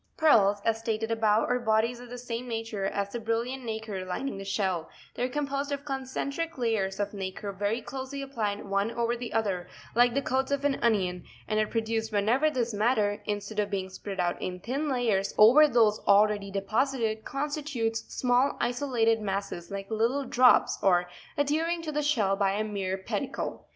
16. Pearls, as stated above, are bodies of the same nature as the brilliant nacre lining the shell: they are composed of concentric layers of nacre very closely applied one over the other, like the coats of an onion, and are produced whenever this matter, instead of being spread out in thin layers over those already deposited, constitutes small isolated masses like little drops, or adhering to the shell by a mere pedicle.